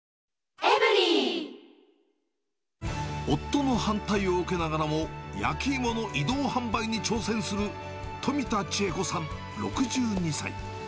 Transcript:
夫の反対を受けながらも、焼き芋の移動販売に挑戦する富田千恵子さん６２歳。